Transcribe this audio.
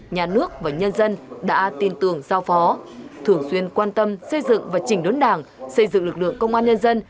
nhà nước và nhân dân đã tin tưởng giao phó thường xuyên quan tâm xây dựng và chỉnh đốn đảng xây dựng lực lượng công an nhân dân